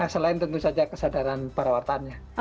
selain tentu saja kesadaran para wartanya